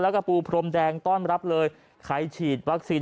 แล้วก็ปูพรมแดงต้อนรับเลยใครฉีดวัคซีน